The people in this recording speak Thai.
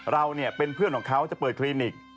เราเป็นเพื่อนของเขาจะเปิดคลินิก